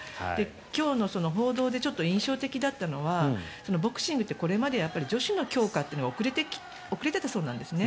今日の報道で印象的だったのはボクシングってこれまで女子の強化というのが遅れていたそうなんですね。